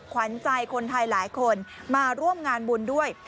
ขวัญใจคนไทยหลายคนมาร่วมงานบุญด้วย